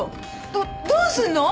どっどうすんの！？